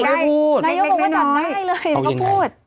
นายกบอกว่าจำได้เลยเขาพูด